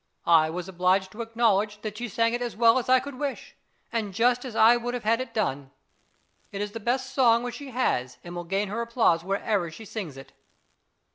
I was obliged to acknowledge that she sang it as well as I could wish, and just as I would have had it done. It is the best song which she has, and will gain her applause wherever she sings it.